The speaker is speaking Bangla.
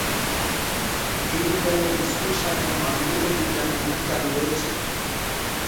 এই বিদ্যালয়ে স্কুল শাখায় মানবিক ও বিজ্ঞান বিভাগ চালু রয়েছে।